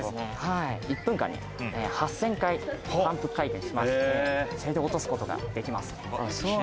１分間に８０００回反復回転して、それで落とすことができます。